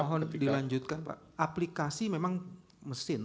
mohon dilanjutkan pak aplikasi memang mesin